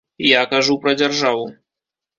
Я кажу пра дзяржаву.